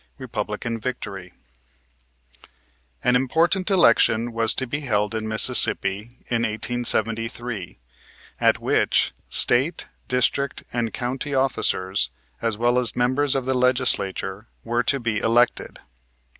REPUBLICAN VICTORY An important election was to be held in Mississippi in 1873, at which State, district, and county officers, as well as members of the Legislature, were to be elected.